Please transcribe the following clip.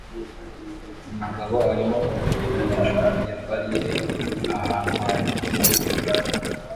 Umugabo arimo kunyerera hejuru ya barrile ahantu h'urubura